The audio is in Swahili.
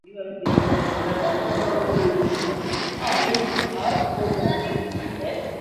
wa Amazon Maneno yake hayo yamewashangaza watu